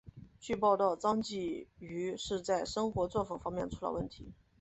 据报道张继禹是在生活作风方面出了问题。